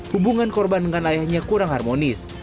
hubungan korban dengan ayahnya kurang harmonis